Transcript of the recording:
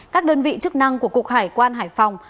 các đơn vị chức năng của cục hải quan hải phòng